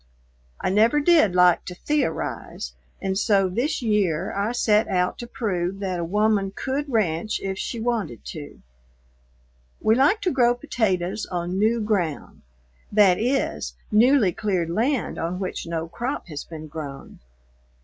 I never did like to theorize, and so this year I set out to prove that a woman could ranch if she wanted to. We like to grow potatoes on new ground, that is, newly cleared land on which no crop has been grown.